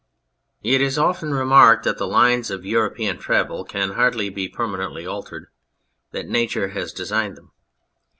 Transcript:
It is often remarked that the lines of European travel can hardly be permanently altered, that Nature has designed them.